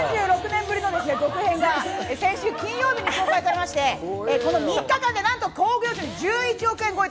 ３６年ぶりの続編が先週金曜日に公開されまして３日間でなんと興行収入１１億円超え。